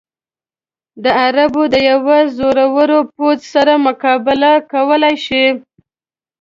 د عربو د یوه زورور پوځ سره مقابله کولای شي.